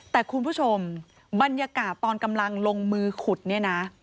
แต่คุณผู้ชมบรรยากาศตอนกำลังลงมือขุดเนี่ยนะ